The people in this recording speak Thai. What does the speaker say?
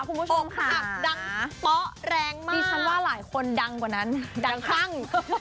คุณผู้ชมค่ะดังเป๊ะแรงมากดิฉันว่าหลายคนดังกว่านั้นดังปั้ง